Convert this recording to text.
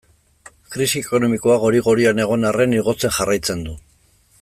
Krisi ekonomikoa gori-gorian egon arren igotzen jarraitzen du.